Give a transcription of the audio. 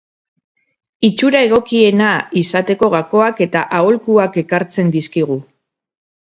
Itxura egokiena izateko gakoak eta aholkuak ekartzen dizkigu.